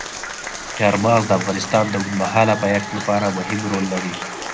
چار مغز د افغانستان د اوږدمهاله پایښت لپاره مهم رول لري.